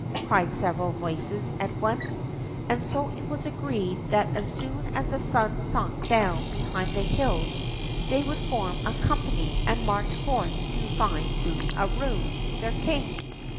'' cried several voices, at once, and so it was agreed that as soon as the sun sunk down behind the hills they would form a company and march forth to find Boom a Room, their king.